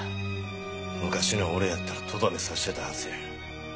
昔の俺やったらとどめ刺してたはずや。